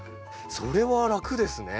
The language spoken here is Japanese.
それは楽ですね。